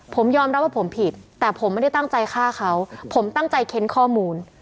ผมยอมรับว่าผมผิดแต่ผมไม่ได้ตั้งใจฆ่าเขาผมตั้งใจเค้นข้อมูล